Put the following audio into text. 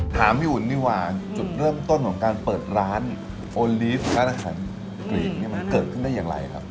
ถามพี่อุ๋นดีกว่าจุดเริ่มต้นของการเปิดร้านโอลีฟร้านอาหารกรีดเนี่ยมันเกิดขึ้นได้อย่างไรครับ